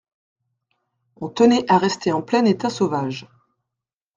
On tenait à rester en plein état sauvage.